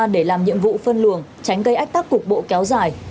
để làm nhiệm vụ phân luồng tránh gây ách tắc cục bộ kéo dài